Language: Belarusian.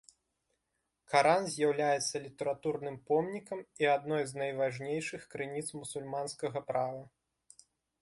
Каран з'яўляецца літаратурным помнікам і адной з найважнейшых крыніц мусульманскага права.